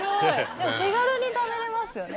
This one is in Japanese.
でも手軽に食べれますよね